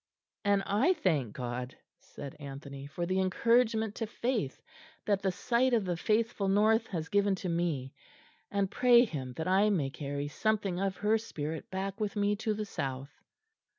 "And I thank God," said Anthony, "for the encouragement to faith that the sight of the faithful North has given to me; and pray Him that I may carry something of her spirit back with me to the south."